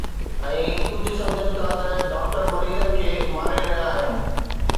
۽ ڪجهه سمجهن ٿا ته ڊاڪٽر مريضن کي ماري رهيا آهن.